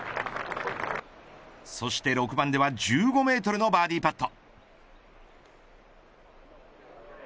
そして６番では１５メートルのバーディーパット。